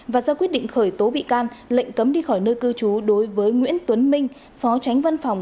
và ra quyết định khởi tố bị can lệnh cấm đi khỏi nơi cư trú đối với nguyễn tuấn minh phó tránh văn phòng